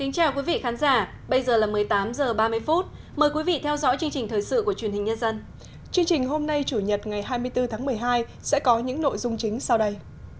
chương trình hôm nay chủ nhật ngày hai mươi bốn tháng một mươi hai sẽ có những nội dung chính sau đây